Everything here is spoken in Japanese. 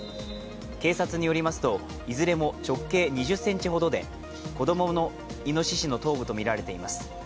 警察によりますといずれも直径２０ｃｍほどで子供のいのししの頭部とみられています。